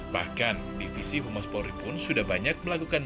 bahkan divisi humas polri pun sudah banyak melakukan